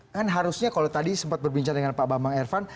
kan harusnya kalau tadi sempat berbincang dengan pak bambang ervan